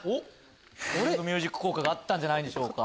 ヒーリングミュージック効果があったんじゃないでしょうか？